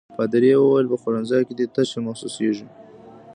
پادري وویل: په خوړنځای کې دي تشه محسوسيږي.